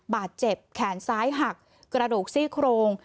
บาดเจ็บแขนซ้ายหักกระดูกซี่โครง